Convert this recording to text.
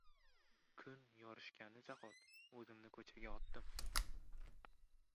Kun yorishgani zahot o’zimni ko’chaga otdim.